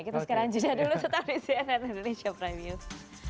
kita sekarang jeda dulu tetap di cnn indonesia prime news